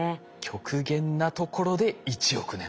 極限なところで１億年。